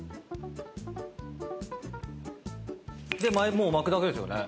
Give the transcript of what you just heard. もう巻くだけですよね？